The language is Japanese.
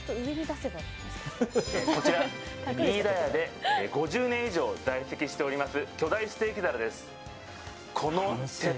こちら飯田屋で５０年以上在籍しております巨大ステーキ皿です。